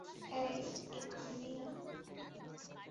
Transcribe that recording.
অ্যাই, ওটা কার্নি না?